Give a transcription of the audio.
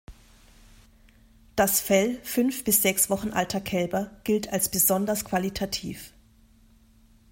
Das Fell fünf bis sechs Wochen alter Kälber gilt als besonders qualitativ.